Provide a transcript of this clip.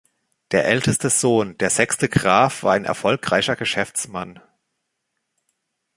Der älteste Sohn, der sechste Graf, war ein erfolgreicher Geschäftsmann.